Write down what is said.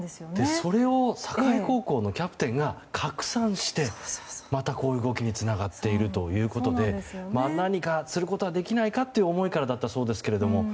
それを境高校のキャプテンが拡散してまたこういう動きにつながっているということで何かすることはできないかという思いからだったそうですが